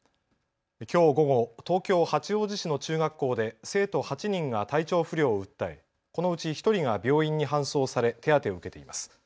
きょう午後、東京八王子市の中学校で生徒８人が体調不良を訴え、このうち１人が病院に搬送され手当てを受けています。